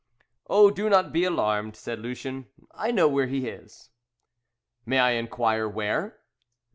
"Oh, do not be alarmed," said Lucien, "I know where he is." "May I inquire where?"